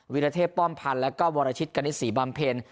วิรเทพป้อมพันธ์แล้วก็วรชิตกณิตศรีบำเพ็ญ